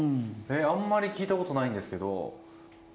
あんまり聞いたことないんですけど。